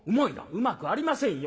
「うまくありませんよ